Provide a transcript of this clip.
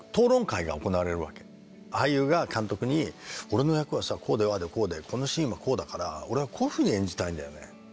俳優が監督に俺の役はさこうでああでこうでこのシーンはこうだから俺はこういうふうに演じたいんだよね